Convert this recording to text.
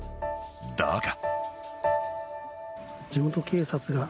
だが。